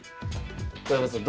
小山さん